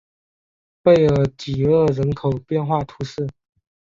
贝尔济厄人口变化图示